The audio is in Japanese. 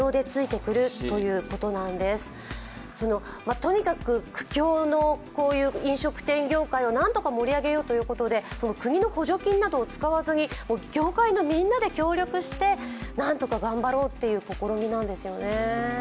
とにかく苦境のこういう飲食店業界をなんとか盛り上げようということで国の補助金などを使わずに業界のみんなで協力して何とか頑張ろうっていう試みなんですよね。